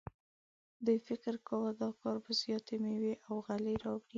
دوی فکر کاوه دا کار به زیاتې میوې او غلې راوړي.